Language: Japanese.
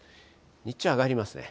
日中は上がりますね。